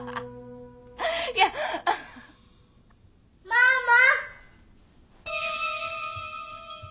ママ。